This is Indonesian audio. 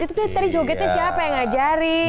itu tuh tadi jogetnya siapa yang ngajarin